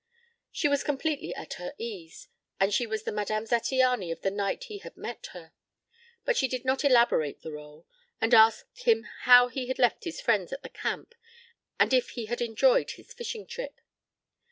She was completely at her ease, and she was the Madame Zattiany of the night he had met her. But she did not elaborate the rôle, and asked him how he had left his friends at the camp and if he had enjoyed his fishing trip.